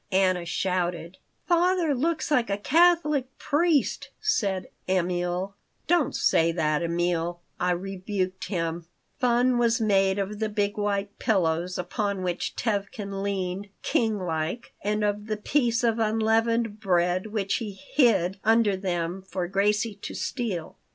Anna shouted "Father looks like a Catholic priest," said Emil "Don't say that, Emil," I rebuked him Fun was made of the big white pillows upon which Tevkin leaned, "king like," and of the piece of unleavened bread which he "hid" under them for Gracie to "steal."